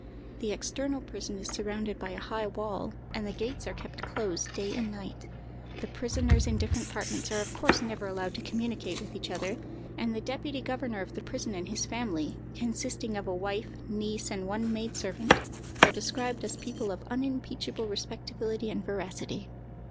The external prison is surrounded by a high wall, and the gates are kept closed day and night. The prisoners in different apartments are of course never allowed to communicate with each other, and the deputy governor of the prison and his family, consisting of a wife, niece, and one maid servant, are described as people of unimpeachable respectability and veracity.